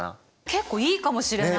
結構いいかもしれない！